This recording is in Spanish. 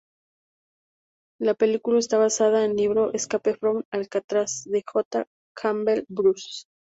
La película está basada en el libro "Escape from Alcatraz" de J. Campbell Bruce.